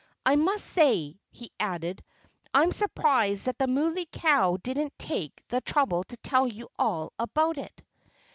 I must say," he added, "I'm surprised that the Muley Cow didn't take the trouble to tell you all about it."